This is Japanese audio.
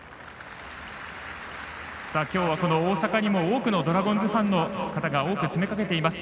きょうはこの大阪にも多くのドラゴンズファンの方が多く詰めかけています。